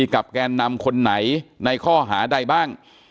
แกนนำคนไหนในข้อหาใดบ้าง